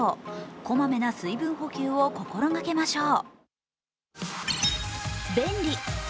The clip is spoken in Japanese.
小まめな水分補給を心がけましょう。